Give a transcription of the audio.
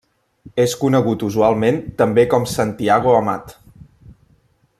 És conegut usualment també com Santiago Amat.